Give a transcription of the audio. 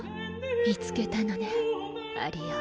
みつけたのねアリアを。